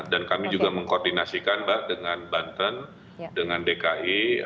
dan kami juga mengkoordinasikan mbak dengan banten dengan dki